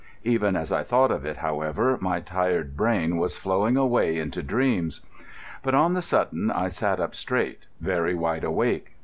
Even as I thought of it, however, my tired brain was flowing away into dreams. But on the sudden I sat up straight, very wide awake.